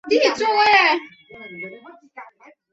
普斯陶莫诺什托尔。